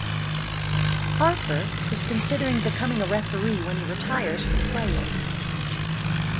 Harper is considering becoming a referee when he retires from playing.